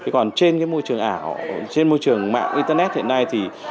còn trên môi trường ảo trên môi trường mạng internet hiện nay thì